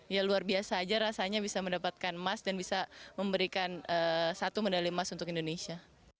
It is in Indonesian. ya luar biasa aja rasanya bisa mendapatkan emas dan bisa memberikan satu medali emas untuk indonesia